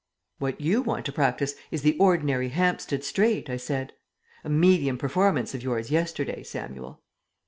"What you want to practise is the ordinary Hampstead Straight," I said. "A medium performance of yours yesterday, Samuel."